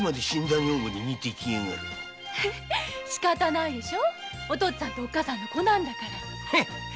当然でしょお父っつぁんとおっかさんの子なんだから。